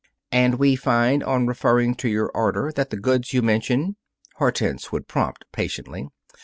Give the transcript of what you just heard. "'And we find, on referring to your order, that the goods you mention '" Hortense would prompt patiently.